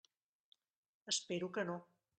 Espero que no.